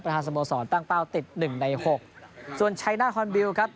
ทางสโมสรตั้งเป้าติดหนึ่งในหกส่วนชัยหน้าฮอนบิลครับ